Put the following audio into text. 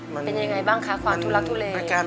มันเป็นยังไงบ้างคะความทุลักทุเล